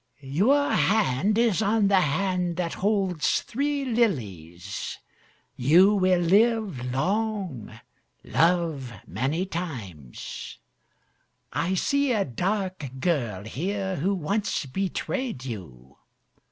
'Your hand is on the hand that holds three lilies. You will live long, love many times. I see a dark girl here who once betrayed you.